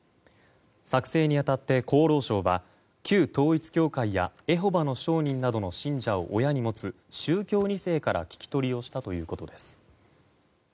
作成に当たって厚労省は旧統一教会やエホバの証人などの信者を親に持つ宗教２世から聞き取りをしたということです。